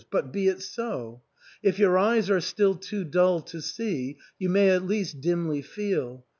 But — be it so ! If your eyes are still too dull to see, you may at least dimly feel.